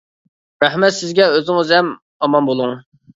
رەھمەت سىزگە ئۆزىڭىز ھەم ئامان بولۇڭ!